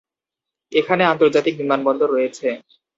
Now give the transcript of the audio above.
এখানে আন্তর্জাতিক বিমানবন্দর রয়েছে।